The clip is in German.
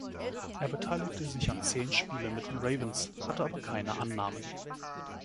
Er beteiligte sich an zehn Spielen mit den Ravens, hatte aber keine Annahmen.